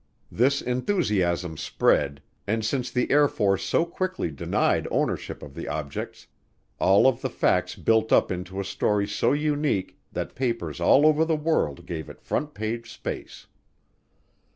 This enthusiasm spread, and since the Air Force so quickly denied ownership of the objects, all of the facts built up into a story so unique that papers all over the world gave it front page space.